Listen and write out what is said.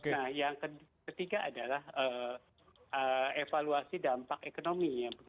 nah yang ketiga adalah evaluasi dampak ekonominya